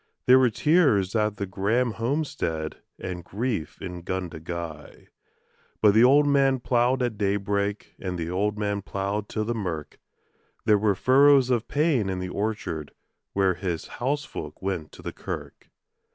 There were tears at the Grahame homestead and grief in Gundagai; But the old man ploughed at daybreak and the old man ploughed till the mirk There were furrows of pain in the orchard while his housefolk went to the kirk.